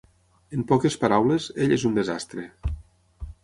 En poques paraules, ell és un desastre.